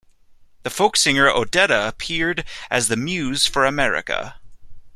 The folk singer Odetta appeared as the Muse for America.